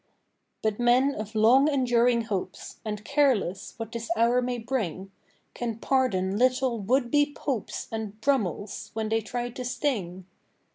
But men of long enduring hopes, And careless what this hour may bring, Can pardon little would be Popes And Brummels, when they try to sting.